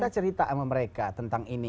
ada cerita sama mereka tentang ini